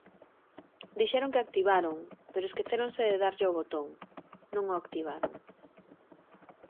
Dixeron que activaron, pero esquecéronse de darlle ao botón; non o activaron.